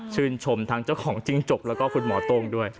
ชมทั้งเจ้าของจิ้งจกแล้วก็คุณหมอโต้งด้วย